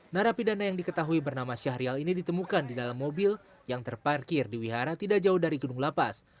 narapidana yang diketahui bernama syahrial ini ditemukan di dalam mobil yang terparkir di wihara tidak jauh dari gunung lapas